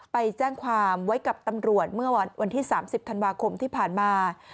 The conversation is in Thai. ไปแจ้งความไว้กับตำรวจเมื่อวันที่๓๐ธันวาคมที่ผ่านมา